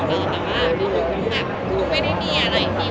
ขอบคุณภาษาให้ด้วยเนี่ย